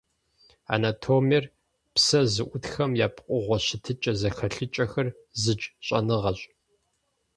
Анатомиер - псэ зыӏутхэм я пкъыгъуэ щытыкӏэ-зэхэлъыкӏэхэр зыдж щӏэныгъэщ.